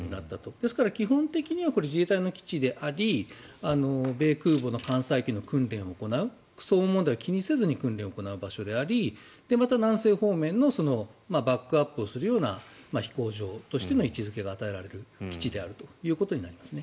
ですから基本的には自衛隊の基地であり米空母の艦載機を行う騒音問題を気にせず訓練を行える場所でありまた、南西方面のバックアップをするような飛行場としての位置付けが与えられる基地となりますね。